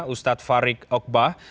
ustadz farid ogbah